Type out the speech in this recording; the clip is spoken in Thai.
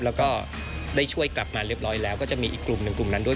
แล้วก็ได้ช่วยกลับมาเรียบร้อยแล้วก็จะมีอีกกลุ่มหนึ่งกลุ่มนั้นด้วย